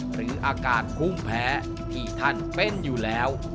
หรืออาการภูมิแพ้ที่ท่านเป็นอยู่แล้ว